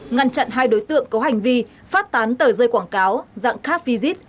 ngăn chặn hai đối tượng có hành vi phát tán tờ rơi quảng cáo dạng car visit